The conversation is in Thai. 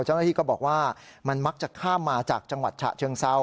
เจ้าหน้าที่ก็บอกว่ามันมักจะข้ามมาจากจังหวัดฉะเชิงเซา